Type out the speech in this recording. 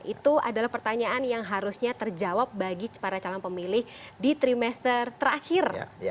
itu adalah pertanyaan yang harusnya terjawab bagi para calon pemilih di trimester terakhir